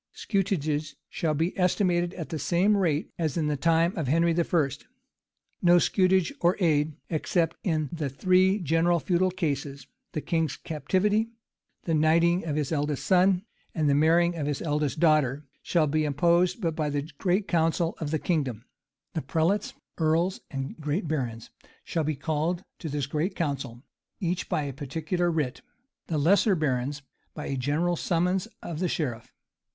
Scutages shall be estimated at the same rate as in the time of Henry I.; and no scutage or aid, except in the three general feudal cases, the king's captivity, the knighting of his eldest son, and the marrying of his eldest daughter, shall be imposed but by the great council of the kingdom; the prelates, earls, and great barons, shall be called to this great council, each by a particular writ; the lesser barons by a general summons of the sheriff.